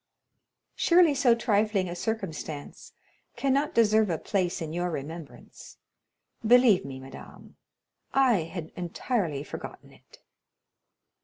"Surely so trifling a circumstance cannot deserve a place in your remembrance. Believe me, madame, I had entirely forgotten it."